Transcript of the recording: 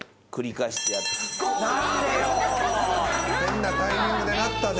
変なタイミングで鳴ったで。